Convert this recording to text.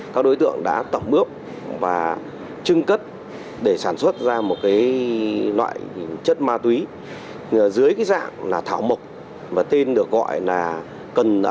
các đối tượng đã tập bước và trưng cất để sản xuất ra một loại chất ma túy dưới dạng thảo mộc